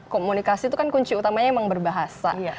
komunikasi itu kan kunci utamanya emang berbahasa